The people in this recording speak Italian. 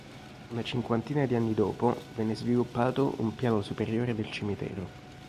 Una cinquantina di anni dopo venne sviluppato un piano superiore del cimitero.